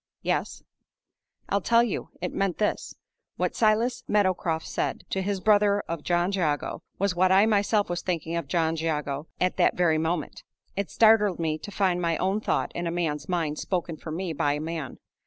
"Yes." "I'll tell you. It meant this: What Silas Meadowcroft said to his brother of John Jago was what I myself was thinking of John Jago at that very moment. It startled me to find my own thought in a man's mind spoken for me by a man.